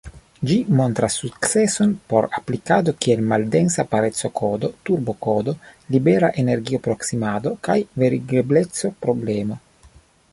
Ĝi montras sukceson por aplikado kiel maldensa pareco-kodo, turbo-kodo, libera energio-proksimado, kaj verigebleco-problemo.